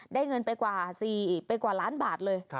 ได้เงินไปกว่าล้านบาทเลย